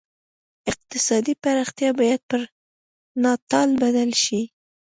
اقتصادي پراختیا باید پر ناتال بدل شي.